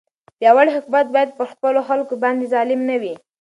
پیاوړی حکومت باید پر خپلو خلکو باندې ظالم نه وي.